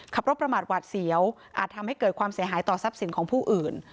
ขับรถประมาทหวาดเสียวอาจทำให้เกิดความเสียหายต่อทรัพย์สินของผู้อื่น